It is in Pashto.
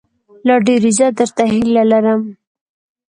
لا ډېر عزت، درته هيله لرم